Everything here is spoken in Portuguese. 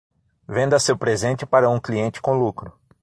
Venda seu presente para um cliente com lucro.